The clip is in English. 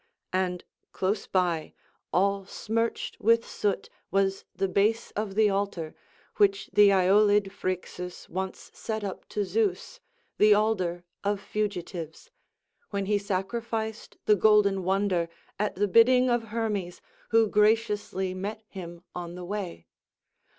And close by, all smirched with soot, was the base of the altar, which the Aeolid Phrixus once set up to Zeus, the alder of fugitives, when he sacrificed the golden wonder at the bidding of Hermes who graciously met him on the way.